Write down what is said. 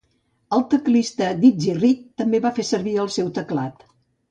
El teclista Dizzy Reed també fa servir el seu teclat.